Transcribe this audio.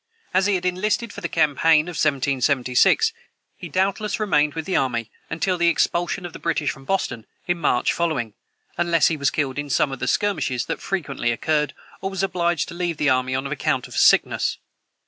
As he had enlisted for the campaign of 1776, he doubtless remained with the army until after the expulsion of the British from Boston, in March following, unless he was killed in some of the skirmishes that frequently occurred, or was obliged to leave the army on account of sickness.